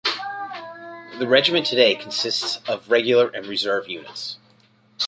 The Regiment today consists of Regular and Reserve units.